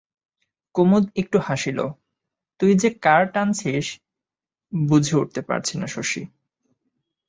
কুমুদ একটু হাসিল, তুই যে কার টানছিস বুঝে উঠতে পারছি না শশী।